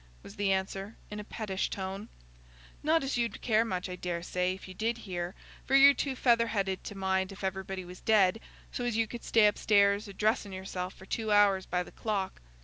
was the answer, in a pettish tone. "Not as you'd care much, I daresay, if you did hear; for you're too feather headed to mind if everybody was dead, so as you could stay upstairs a dressing yourself for two hours by the clock.